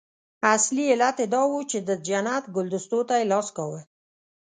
اصلي علت یې دا وو چې د جنت ګلدستو ته یې لاس کاوه.